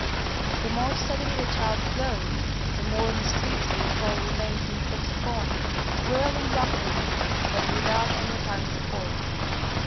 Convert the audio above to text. The more steadily the child blows, the more mysteriously the ball remains at a fixed point, whirling rapidly but without any apparent support.